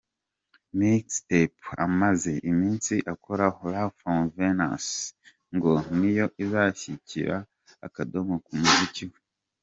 Mixtape amaze iminsi akoraho “Love From Venus” ngo niyo izashyira akadomo ku muziki we.